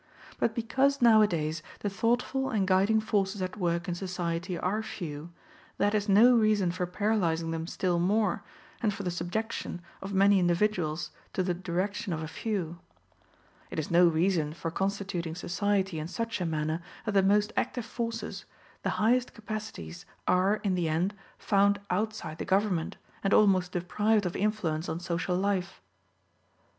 But because nowadays the thoughtful and guiding forces at work in society are few, that is no reason for paralyzing them still more, and for the subjection of many individuals to the direction of a few. It is no reason for constituting society in such a manner that the most active forces, the highest capacities are, in the end, found outside the government, and almost deprived of influence on social life.